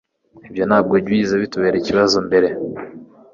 Ibyo ntabwo byigeze bitubera ikibazo mbere